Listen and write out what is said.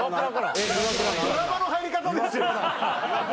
ドラマの入り方ですよ。